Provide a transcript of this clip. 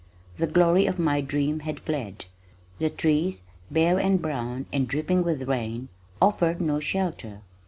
The glory of my dream had fled. The trees, bare and brown and dripping with rain, offered no shelter.